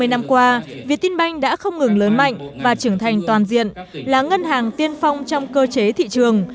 hai mươi năm qua việt tinh banh đã không ngừng lớn mạnh và trưởng thành toàn diện là ngân hàng tiên phong trong cơ chế thị trường